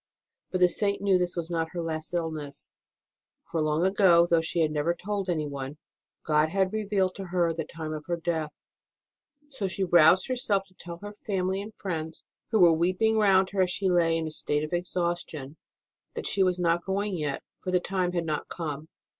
But the Saint knew this was not her last illness, for long ago though she had never told anyone God had revealed to her the time of her death ; so she roused herself to tell her family and friends, who were weeping round her as she lay in a state of exhaustion, that she was not going yet, for the time had not come.